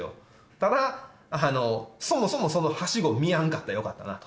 ただ、そもそもそのはしごを見やんかったらよかったなと。